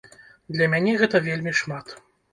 Для мяне гэта вельмі шмат!